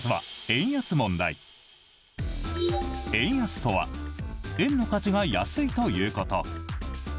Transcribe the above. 円安とは円の価値が安いということ。